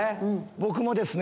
僕もですね